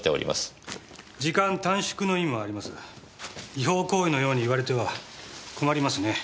違法行為のように言われては困りますね。